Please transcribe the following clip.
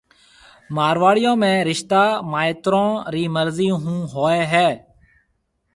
مارواڙيون ۾ رشتہ مائيترون رِي مرضي ھون ھوئيَ ھيََََ